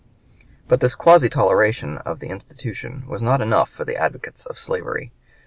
But this quasi toleration of the institution was not enough for the advocates of slavery.